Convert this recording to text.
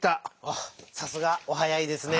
あさすがお早いですねぇ。